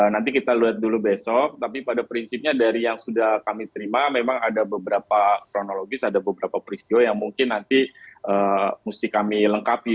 nanti kita lihat dulu besok tapi pada prinsipnya dari yang sudah kami terima memang ada beberapa kronologis ada beberapa peristiwa yang mungkin nanti mesti kami lengkapi